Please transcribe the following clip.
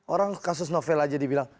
orang kasus novel aja dibilang